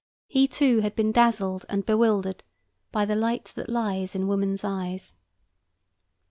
he too had been dazzled and bewildered by "The light that lies In woman's eyes."